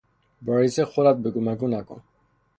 با رییس خودت بگو مگو نکن!